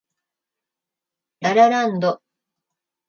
ラ・ラ・ランド